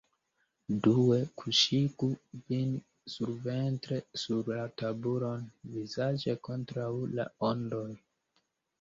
Due: kuŝigu vin surventre sur la tabulon, vizaĝe kontraŭ la ondoj.